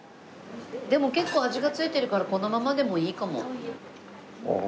でも結構味が付いてるからこのままでもいいかも。